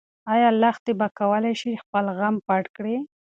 ايا لښتې به وکولی شي چې خپل غم پټ کړي؟